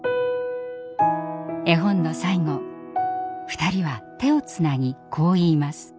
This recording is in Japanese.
絵本の最後２人は手をつなぎこう言います。